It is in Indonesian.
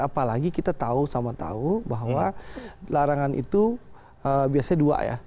apalagi kita tahu sama tahu bahwa larangan itu biasanya dua ya